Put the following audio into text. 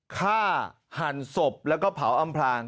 ฆ่าหั่นซ่อบก็เผาอำพลัง